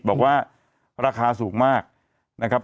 บอกว่าราคาสูงมากนะครับ